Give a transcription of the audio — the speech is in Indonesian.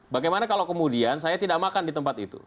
bagaimana kalau kemudian saya tidak makan di tempat itu